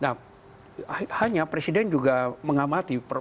nah hanya presiden juga mengamati